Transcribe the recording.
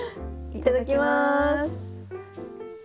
いただきます！